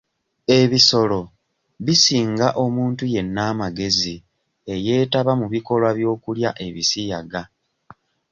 Ebisolo bisinga omuntu yenna amagezi eyeetaba mu bikolwa by'okulya ebisiyaga.